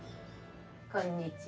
こんにちは。